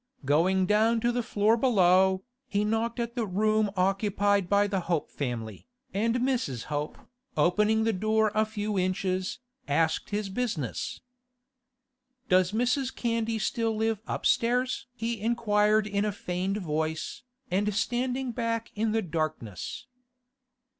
Going down to the floor below, he knocked at the room occupied by the Hope family, and Mrs. Hope, opening the door a few inches, asked his business. 'Does Mrs. Candy still live upstairs?' he inquired in a feigned voice, and standing back in the darkness.